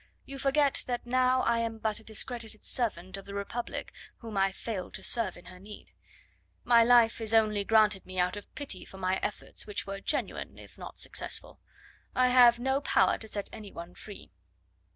You forget that now I am but a discredited servant of the Republic whom I failed to serve in her need. My life is only granted me out of pity for my efforts, which were genuine if not successful. I have no power to set any one free."